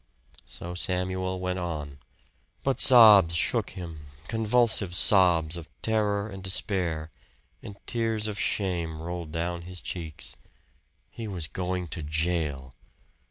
So Samuel went on. But sobs shook him, convulsive sobs of terror and despair, and tears of shame rolled down his cheeks. He was going to jail!